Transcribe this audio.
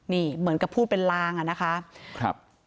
นี่เหมือนกับพูดเป็นลางอ่ะนะคะครับ